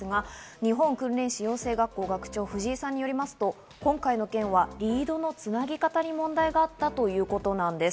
日本訓練士養成学校学長の藤井さんによりますと今回の件はリードのつなぎ方に問題があったということです。